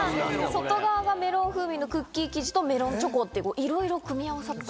外側はメロン風味のクッキー生地とメロンチョコっていろいろ組み合わさった。